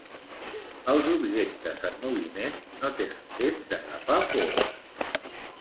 Els objectes en moviment no tenen temps d'agafar pols.